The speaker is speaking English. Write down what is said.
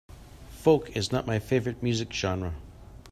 Folk is not my favorite music genre.